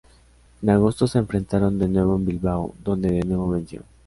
En agosto se enfrentaron de nuevo en Bilbao, donde de nuevo venció.